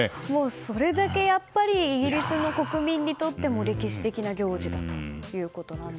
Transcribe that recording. それだけイギリスの国民にとっても歴史的な行事だと。